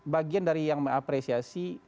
bagian dari yang mengapresiasi